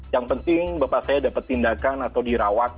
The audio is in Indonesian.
yang penting bapak saya dapat tindakan atau dirawat